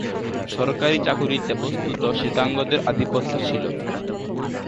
সরকারি চাকুরিতে বস্ত্তত শ্বেতাঙ্গদের আধিপত্য ছিল।